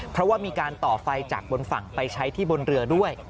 เพราะว่ามีการต่อไฟจากบนฝั่งไปใช้ที่บนเรือด้วย